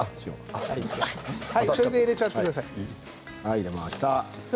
それで入れちゃってください。